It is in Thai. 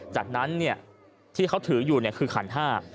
จากนั้นที่เขาถืออยู่คือขันห้า